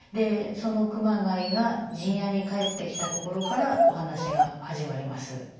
その熊谷が陣屋に帰ってきたところからお話が始まります。